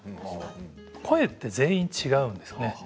声は全員違うんですよね。